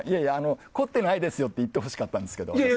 凝ってないですよって言ってほしかったんですけど。